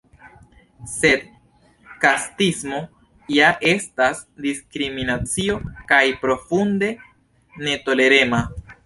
Sed kastismo ja estas diskriminacio, kaj profunde netolerema.